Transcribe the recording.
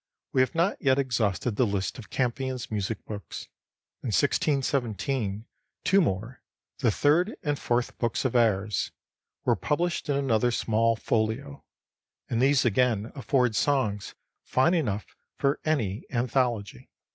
We have not yet exhausted the list of Campion's music books. In 1617 two more, 'The Third & Fourth Books of Airs,' were published in another small folio; and these again afford songs fine enough for any anthology.